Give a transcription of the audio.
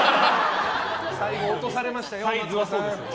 最後、落とされましたよ。